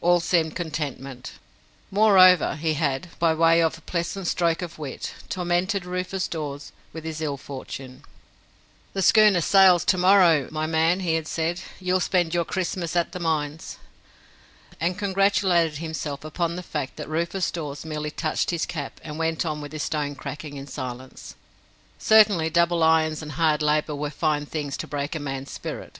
All seemed contentment. Moreover, he had by way of a pleasant stroke of wit tormented Rufus Dawes with his ill fortune. "The schooner sails to morrow, my man," he had said; "you'll spend your Christmas at the mines." And congratulated himself upon the fact that Rufus Dawes merely touched his cap, and went on with his stone cracking in silence. Certainly double irons and hard labour were fine things to break a man's spirit.